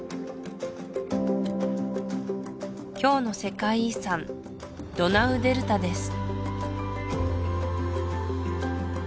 今日の「世界遺産」ドナウデルタです